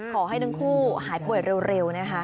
ขอให้ทั้งคู่หายป่วยเร็วนะคะ